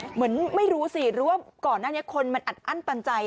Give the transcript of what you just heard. เหมือนไม่รู้สิรู้ว่าก่อนหน้านี้คนมันอัดอั้นตันใจ